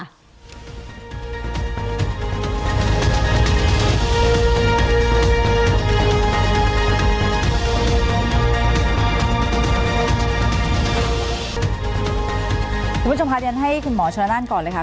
คุณผู้ชมพาเรียนให้คุณหมอชนละนั่นก่อนเลยค่ะ